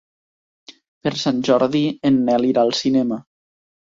Per Sant Jordi en Nel irà al cinema.